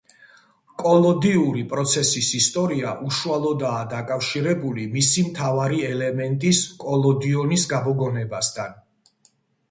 კოლოდიური პროცესის ისტორია უშუალოდაა დაკავშირებული მისი მთავარი ელემენტის კოლოდიონის გამოგონებასთან.